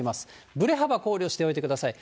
ぶれ幅考慮しておいてください。